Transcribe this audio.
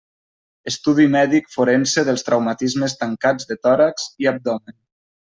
Estudi mèdic forense dels traumatismes tancats de tòrax i abdomen.